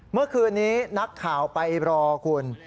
เมื่อคืนนี้นักข่าวไปรอคุณ